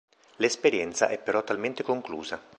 L'esperienza è però attualmente conclusa.